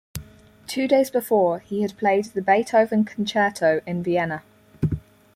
Two days before, he had played the Beethoven Concerto in Vienna.